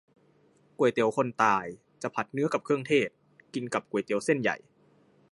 ก๋วยเตี๋ยวคนตาย จะผัดเนื้อกับเครื่องเทศ กินกับก๋วยเตี๋ยวเส้นใหญ่